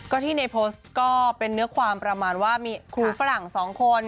ก็ที่ในโพสต์ก็เป็นเนื้อความประมาณว่ามีครูฝรั่งสองคน